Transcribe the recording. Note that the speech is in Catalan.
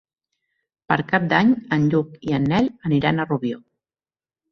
Per Cap d'Any en Lluc i en Nel aniran a Rubió.